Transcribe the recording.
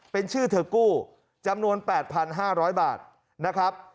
เป็นชื่อเธอกู้จำนวน๘๕๐๐บาทนะครับ